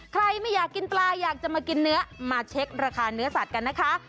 ใครไม่อยากกินปลาอยากจะมากินเนื้อมาเช็คราคาเนื้อสัตว์กันนะคะ